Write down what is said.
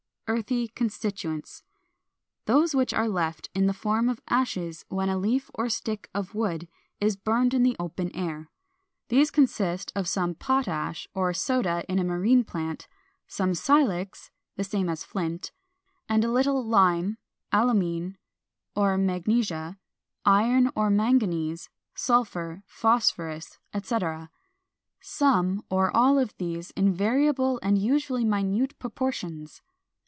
Earthy constituents, those which are left in the form of ashes when a leaf or a stick of wood is burned in the open air. These consist of some potash (or soda in a marine plant), some silex (the same as flint), and a little lime, alumine, or magnesia, iron or manganese, sulphur, phosphorus, etc., some or all of these in variable and usually minute proportions.